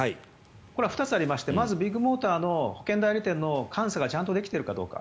これは２つありましてまず、ビッグモーターの保険代理店の監査がちゃんとできているかどうか。